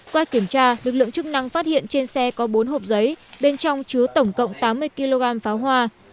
qua kiểm tra lực lượng chức năng phát hiện trên xe có bốn hộp giấy bên trong chứa tổng cộng tám mươi kg pháo hoa